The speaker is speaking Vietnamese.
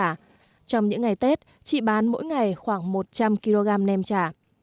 trong những ngày tết chị bán mỗi ngày khoảng một trăm linh kg nem trà